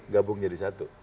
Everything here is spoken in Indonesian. gabung jadi satu